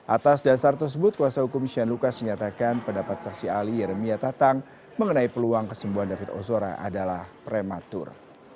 atas dasar tersebut kuasa hukum shane lucas menyatakan pendapat saksi ahli yeremia tatang mengenai peluang kesembuhan david ozora adalah prematur